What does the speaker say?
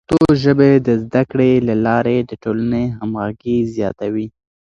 د پښتو ژبې د زده کړې له لارې د ټولنې همغږي زیاتوي.